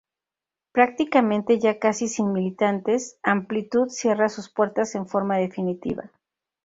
Prácticamente ya casi sin militantes, Amplitud cierra sus puertas en forma definitiva.